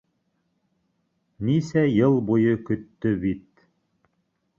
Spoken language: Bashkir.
Нисә йыл буйы көттө бит.